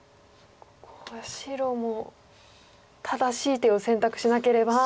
ここは白も正しい手を選択しなければ。